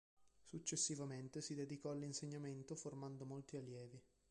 Successivamente si dedicò all'insegnamento formando molti allievi.